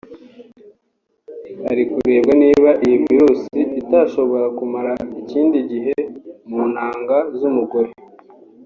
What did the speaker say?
hari kurebwa niba iyi virus itashobora kumara ikindi gihe mu ntanga z’umugore